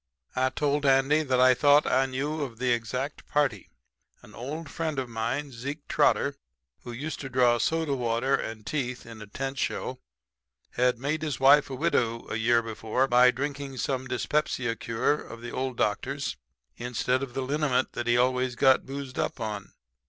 "I told Andy that I thought I knew of the exact party. An old friend of mine, Zeke Trotter, who used to draw soda water and teeth in a tent show, had made his wife a widow a year before by drinking some dyspepsia cure of the old doctor's instead of the liniment that he always got boozed up on.